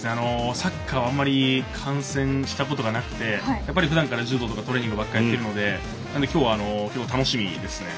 サッカーはあんまり観戦したことがなくてやっぱりふだんから柔道とかトレーニングばかりやってるのできょうは、楽しみですね。